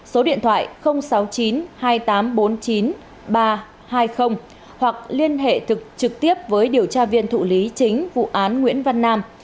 số điện thoại sáu mươi chín hai nghìn tám trăm bốn mươi chín ba trăm hai mươi hoặc liên hệ trực tiếp với điều tra viên thụ lý chính vụ án nguyễn văn nam